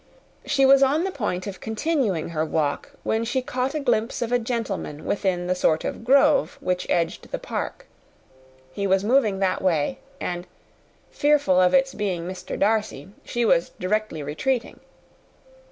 She was on the point of continuing her walk, when she caught a glimpse of a gentleman within the sort of grove which edged the park: he was moving that way; and fearful of its being Mr. Darcy, she was directly retreating.